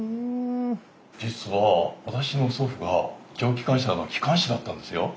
実は私の祖父が蒸気機関車の機関士だったんですよ。